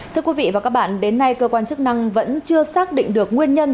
thưa quý vị và các bạn đến nay cơ quan chức năng vẫn chưa xác định được nguyên nhân